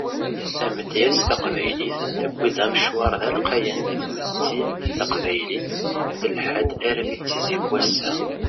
Tamedyazt taqbaylit tewwi-d amecwar d alqayan di tmetti taqbaylit telḥa-d armi d tizi n wass-a.